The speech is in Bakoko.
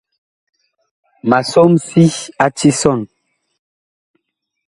Ma som si a tisɔn.